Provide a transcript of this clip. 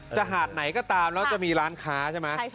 หาดไหนก็ตามแล้วจะมีร้านค้าใช่ไหม